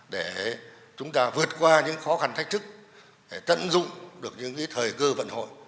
để chúng ta vượt qua những khó khăn thách thức tận dụng được những thời cơ vận hội